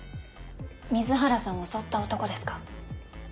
水原さんを襲った男ですか？